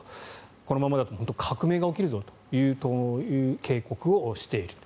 このままだと革命が起きるぞという警告をしていると。